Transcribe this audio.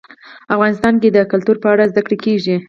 افغانستان کې د کلتور په اړه زده کړه کېږي.